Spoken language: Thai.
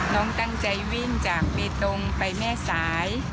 น้องตั้งใจวิ่งจากเบตงไปแม่สาย